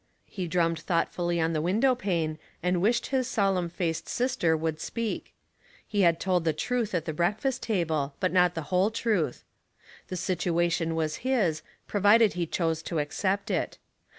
He drummed thoughtfully on the window pane and wished his solemn faced sister would speak. He had told the truth at the breakfast table, but not the whole truth The situation was his, provided he choose to accept it.